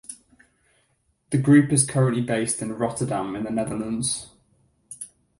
The group is currently based in Rotterdam in the Netherlands.